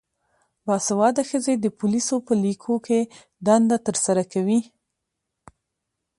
باسواده ښځې د پولیسو په لیکو کې دنده ترسره کوي.